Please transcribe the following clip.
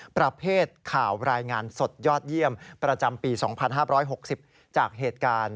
ประเภทข่าวรายงานสดยอดเยี่ยมประจำปี๒๕๖๐จากเหตุการณ์